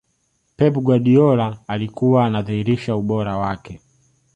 pep guardiola alikuwa anadhirisha ubora wake